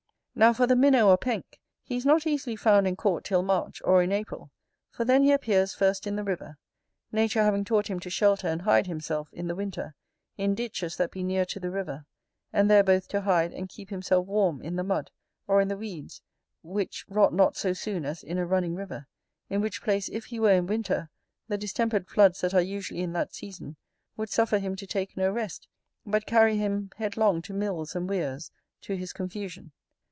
Now for the Minnow or Penk: he is not easily found and caught till March, or in April, for then he appears first in the river; nature having taught him to shelter and hide himself, in the winter, in ditches that be near to the river; and there both to hide, and keep himself warm, in the mud, or in the weeds, which rot not so soon as in a running river, in which place if he were in winter, the distempered floods that are usually in that season would suffer him to take no rest, but carry him headlong to mills and weirs, to his confusion.